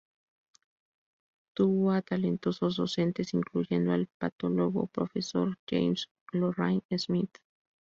Tuvo a talentosos docentes, incluyendo al patólogo, Profesor James Lorrain Smith.